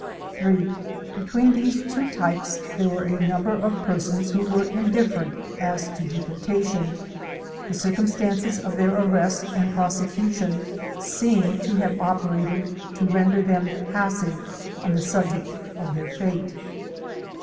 (3) Between these two types there were a number of persons who were indifferent as to deportation. The cir cumstances of their arrest and prosecution seem to have operated to render them passive on the subject of their fatb.